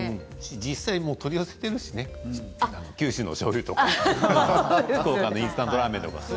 実際に取り寄せているよね九州のしょうゆとか福岡のインスタントラーメンとか。